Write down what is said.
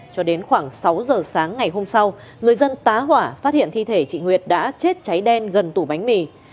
cho đến khoảng sáu giờ sáng ngày hôm sau người dân tá hỏa phát hiện thi thể chị nguyệt đã chết cháy đen gần tủ bánh mì